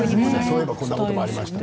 「そういえばこんなこともありました」